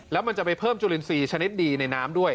แล้วมันจะไปเพิ่มจุลินทรีย์ชนิดดีในน้ำด้วย